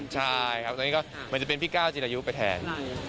ใช่ครับตอนนี้ก็มันจะเป็นพี่ก้าวจิรายุไปแทน